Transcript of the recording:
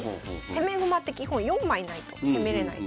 攻め駒って基本４枚ないと攻めれない。